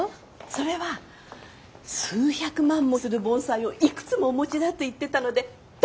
それは数百万もする盆栽をいくつもお持ちだと言ってたので大丈夫かと！